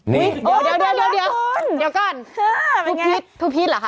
นี่โอ้เดี๋ยวเดี๋ยวคุณเดี๋ยวก่อนฮือเป็นไงทูพีททูพีทหรอคะ